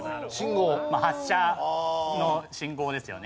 発車の信号ですよね。